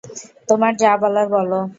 তোমার যা বলার বলো।